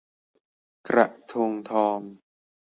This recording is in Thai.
กระทงทอง